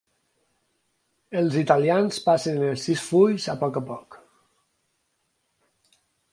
Els italians passen els sis fulls a poc a poc.